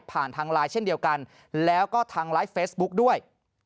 ทางไลน์เช่นเดียวกันแล้วก็ทางไลฟ์เฟซบุ๊กด้วย